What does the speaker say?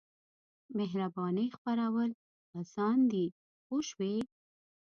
مهربانۍ خپرول اسان دي پوه شوې!.